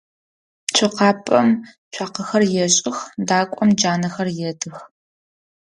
Цокъапӏэм цуакъэхэр ешӏых, дакӏом джанэхэр едых.